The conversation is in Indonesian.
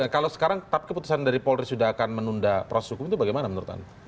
kalau sekarang tapi keputusan dari polri sudah akan menunda proses hukum itu bagaimana menurut anda